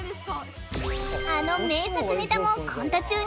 あの名作ネタもコント中に登場！？